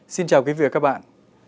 xin chào quý vị và các bạn